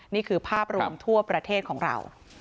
นี่คือภาพรวมทั่วประเทศของเรา